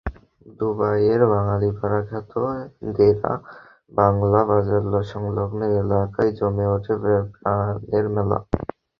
দুবাইয়ের বাঙালিপাড়া খ্যাত দেরা বাংলা বাজারসংলগ্ন এলাকায় জমে ওঠে প্রাণের মেলা।